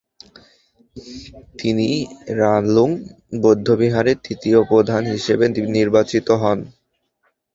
তিনি রালুং বৌদ্ধবিহারের তৃতীয় প্রধান হিসেবে নির্বাচিত হন।